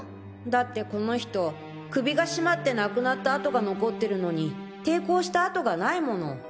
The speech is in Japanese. だってこの人首が絞まって亡くなった痕が残ってるのに抵抗した痕がないもの。